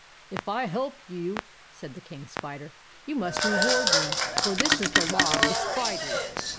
" If I help you," said the King Spider, " you must reward me ; for this is the Law of the Spiders."